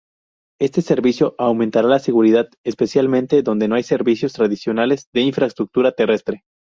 Este servicio aumentará la seguridad, especialmente donde no hay servicios tradicionales de infraestructura terrestre.